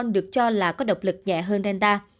động lực nhẹ hơn delta